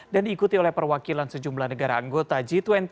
dan diikuti oleh perwakilan sejumlah negara anggota g dua puluh